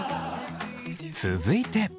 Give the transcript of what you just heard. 続いて。